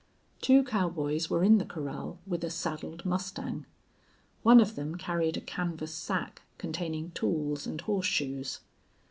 Two cowboys were in the corral with a saddled mustang. One of them carried a canvas sack containing tools and horseshoes.